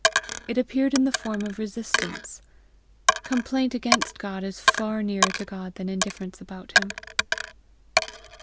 It appeared in the form of resistance. Complaint against God is far nearer to God than indifference about him.